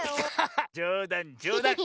じょうだんじょうだん。